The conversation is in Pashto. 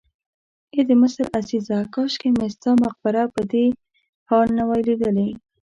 ای د مصر عزیزه کاشکې مې ستا مقبره په دې حال نه وای لیدلې.